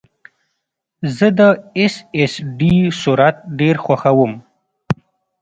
زه د ایس ایس ډي سرعت ډېر خوښوم.